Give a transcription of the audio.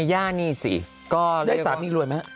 ได้สามีรวยมั้ย